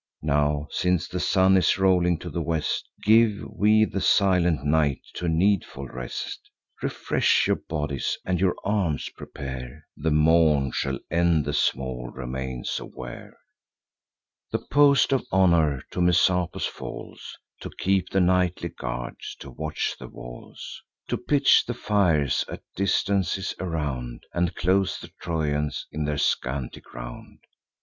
Now, since the sun is rolling to the west, Give we the silent night to needful rest: Refresh your bodies, and your arms prepare; The morn shall end the small remains of war." The post of honour to Messapus falls, To keep the nightly guard, to watch the walls, To pitch the fires at distances around, And close the Trojans in their scanty ground.